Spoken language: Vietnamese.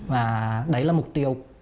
và đấy là mục tiêu